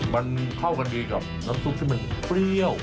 มันเข้ากันดีกับน้ำซุปที่มันเปรี้ยว